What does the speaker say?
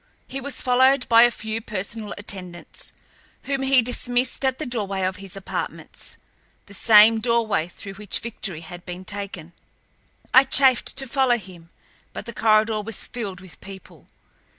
He was followed by a few personal attendants, whom he dismissed at the doorway to his apartments—the same doorway through which Victory had been taken. I chafed to follow him, but the corridor was filled with people.